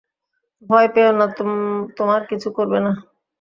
ভয় পেয়ো না, তোমার কিছু করব না।